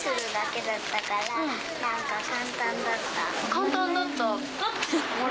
簡単だった？